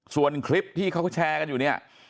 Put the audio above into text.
ส่วนคลิปที่เขาแชร์กันอยู่เนี่ย